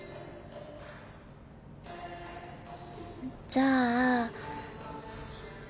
じゃあ。